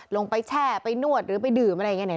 แช่ไปนวดหรือไปดื่มอะไรอย่างนี้